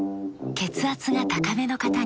血圧が高めの方へ。